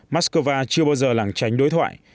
mắc cơ va chưa bao giờ lẳng tránh đối thoại